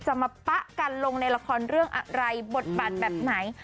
มาปะกันลงในละครเรื่องอะไรบทบาทแบบไหน